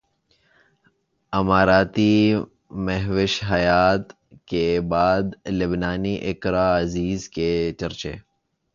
اماراتی مہوش حیات کے بعد لبنانی اقرا عزیز کے چرچے